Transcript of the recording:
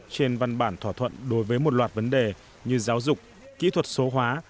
trên văn bản thỏa thuận đối với một loạt vấn đề như giáo dục kỹ thuật số hóa